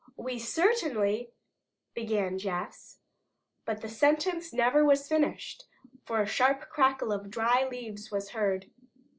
"We certainly " began Jess. But the sentence never was finished, for a sharp crackle of dry leaves was heard.